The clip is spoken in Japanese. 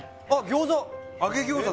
餃子！